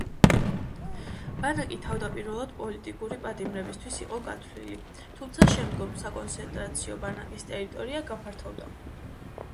ბანაკი თავდაპირველად პოლიტიკური პატიმრებისთვის იყო გათვლილი, თუმცა შემდგომ საკონცენტრაციო ბანაკის ტერიტორია გაფართოვდა.